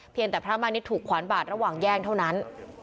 แต่พระมาณิชย์ถูกขวานบาดระหว่างแย่งเท่านั้น